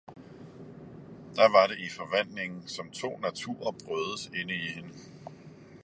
Da var det i Forvandlingen, som to Naturer brødes inde i hende.